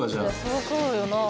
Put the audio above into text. そりゃそうよなあ。